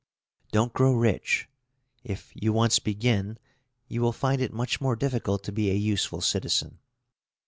Don't grow rich; if you once begin, you will find it much more difficult to be a useful citizen.